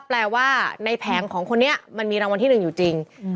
แปลว่าในแผงของคนนี้มันมีรางวัลที่๑อยู่จริง